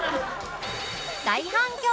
大反響！